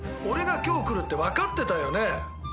俺が今日来るって分かってたよね？